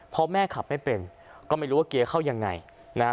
พอแม่ขับไม่เป็นก็ไม่รู้ว่าเกียร์เข้ายังไงนะฮะ